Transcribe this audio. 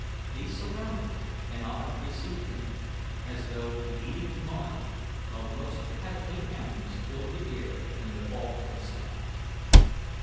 These surrounded and often preceded him, as though leading him on, while the most heavenly anthems filled the air and the vault of the sky.